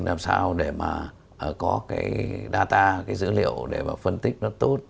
làm sao để mà có cái data cái dữ liệu để mà phân tích nó tốt